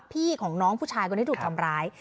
พี่ของน้องผู้ชายก่อนให้ถูกทำร้าย